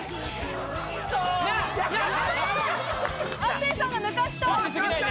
亜生さんが抜かした！